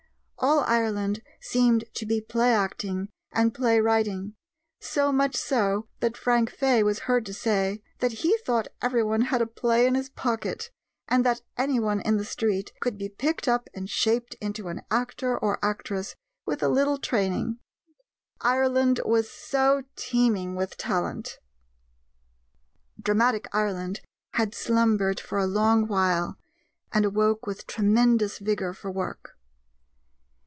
All Ireland seemed to be play acting and play writing; so much so that Frank Fay was heard to say that "he thought everyone had a play in his pocket, and that anyone in the street could be picked up and shaped into an actor or actress with a little training, Ireland was so teeming with talent!" Dramatic Ireland had slumbered for a long while, and awoke with tremendous vigor for work.